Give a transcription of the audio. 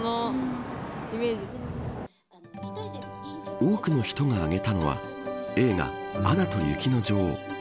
多くの人が挙げたのは映画アナと雪の女王。